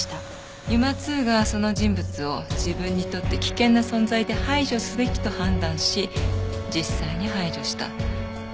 ＵＭＡ−Ⅱがその人物を自分にとって危険な存在で排除すべきと判断し実際に排除した。